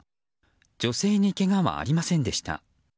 女性にけがはありませんでした。